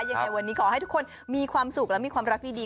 ยังไงวันนี้ขอให้ทุกคนมีความสุขและมีความรักดี